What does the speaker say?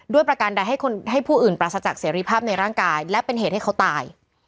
ประการใดให้ผู้อื่นปราศจากเสรีภาพในร่างกายและเป็นเหตุให้เขาตาย